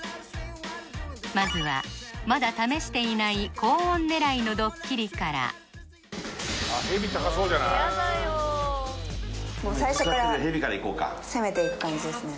まずはまだ試していない高音狙いのドッキリから最初から攻めていく感じですね